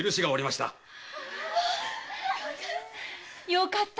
よかった！